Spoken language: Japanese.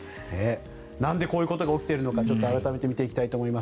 なんでこういうことが起きているのか見ていきたいと思います。